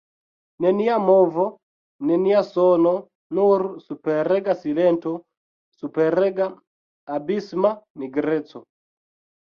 Nenia movo, nenia sono, nur superega silento, superega, abisma nigreco.